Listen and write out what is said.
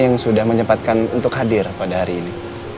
yang sudah menyempatkan untuk hadir pada hari ini